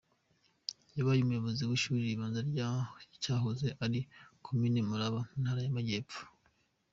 Yabaye Umuyobozi w’Ishuri ribanza mu cyahoze ari Komine Maraba, mu Ntara y’Amajyepfo.